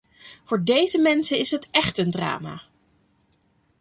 Voor deze mensen is het echt een drama.